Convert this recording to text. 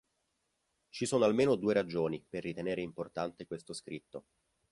Ci sono almeno due ragioni per ritenere importante questo scritto.